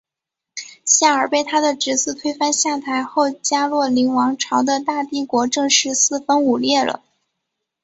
夏尔被他的侄子推翻下台后加洛林王朝的大帝国正式四分五裂了。